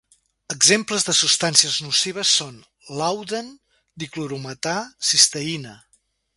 Exemples de substàncies nocives són: làudan, diclorometà, cisteïna.